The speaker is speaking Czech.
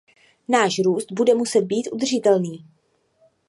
Náš růst bude muset být udržitelný.